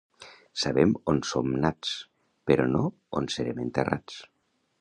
Sabem on som nats, però no on serem enterrats.